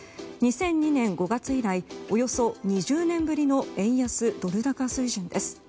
２００２年５月以来およそ２０年ぶりの円安ドル高水準です。